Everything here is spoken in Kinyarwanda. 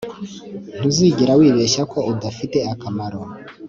ntuzigera wibeshya ko udafite akamaro